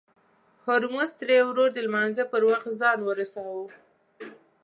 هورموز تري ورور د لمانځه پر وخت ځان ورساوه.